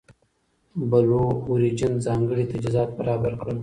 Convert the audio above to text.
بلو اوریجن ځانګړي تجهیزات برابر کړل.